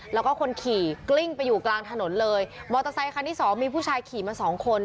แล้วก็คนขี่กลิ้งไปอยู่กลางถนนเลยมอเตอร์ไซคันที่สองมีผู้ชายขี่มาสองคน